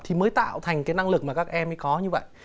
thì mới tạo thành cái năng lực mà các em mới có như vậy